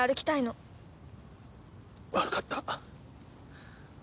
悪かった。